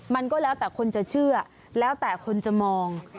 มันก็แล้วแต่คนจะเชื่อแล้วแต่คนจะมอง